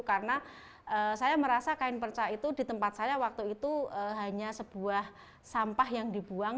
karena saya merasa kain perca itu di tempat saya waktu itu hanya sebuah sampah yang dibuang